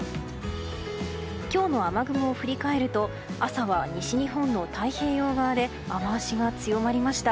今日の雨雲を振り返ると朝は西日本の太平洋側で雨脚が強まりました。